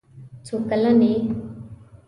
څو کلن یې.